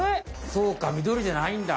そうかみどりじゃないんだ。